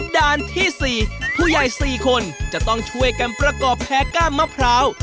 ด้านที่๔ผู้ใหญ่๔คนจะต้องช่วยกันประกอบแพ้ก้านมะพร้าว